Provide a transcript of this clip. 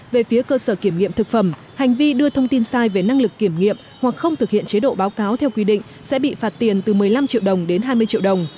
về phía cơ sở kiểm nghiệm thực phẩm hành vi đưa thông tin sai về năng lực kiểm nghiệm hoặc không thực hiện chế độ báo cáo theo quy định sẽ bị phạt tiền từ một mươi năm triệu đồng đến hai mươi triệu đồng